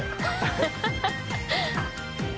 ハハハ ））